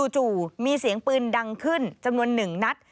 จู่มีเสียงปืนดังขึ้นจำนวน๑นัด